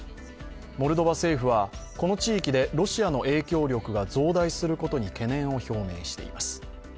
モルドバ政府は、この地域でロシアの影響力が増大することに懸念を表明しています。